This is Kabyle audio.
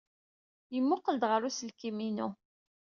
Yemmuqqel-d ɣer uselkim-inu.